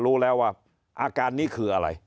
รู้แล้วว่าอาการนี้คืออะไร